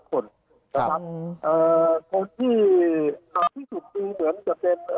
คนที่อาทิตย์สุดดีเหมือนจะเป็น